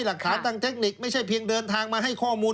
หลักฐานทางเทคนิคไม่ใช่เพียงเดินทางมาให้ข้อมูล